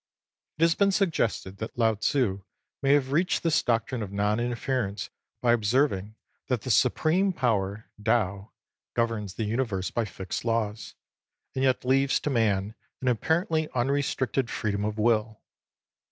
It has been suggested that Lao Tzu may have reached this doctrine of non interference by observing that the Supreme Power, Tao, governs the Universe by fixed laws, and yet leaves to man an apparently unrestricted freedom of will.